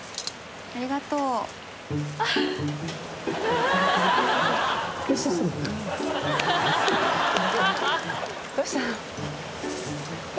ありがとうどうしたの？